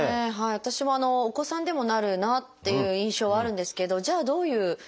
私もお子さんでもなるなっていう印象はあるんですけどじゃあどういうものなのか